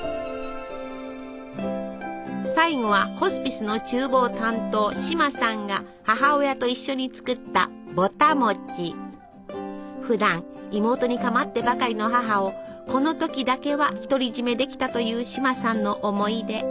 最後はホスピスのちゅう房担当シマさんが母親と一緒に作ったふだん妹にかまってばかりの母をこの時だけは独り占めできたというシマさんの思い出。